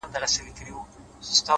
لوړ همت د وېرې دیوال نړوي’